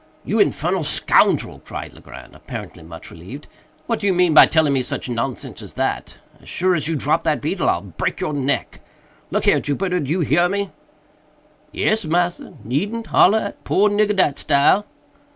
"You infernal scoundrel!" cried Legrand, apparently much relieved, "what do you mean by telling me such nonsense as that? As sure as you drop that beetle I'll break your neck. Look here, Jupiter, do you hear me?" "Yes, massa, needn't hollo at poor nigger dat style."